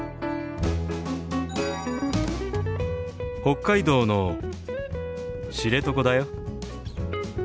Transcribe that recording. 北海道の知床だよ。